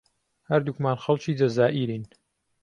هەردووکمان خەڵکی جەزائیرین.